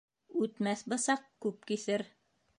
Үтмәҫ бысаҡ күп киҫер.